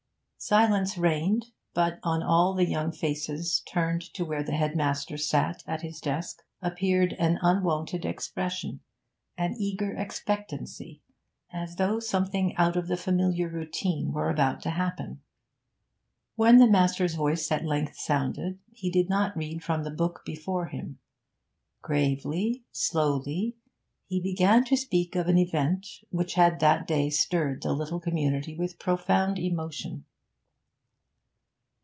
Silence reigned, but on all the young faces turned to where the headmaster sat at his desk appeared an unwonted expression, an eager expectancy, as though something out of the familiar routine were about to happen. When the master's voice at length sounded, he did not read from the book before him; gravely, slowly, he began to speak of an event which had that day stirred the little community with profound emotion.